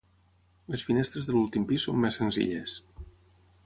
Les finestres de l'últim pis són més senzilles.